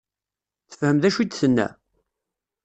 Tefhem d acu i d-tenna?